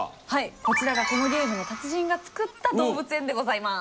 こちらがこのゲームの達人が作った動物園でございます。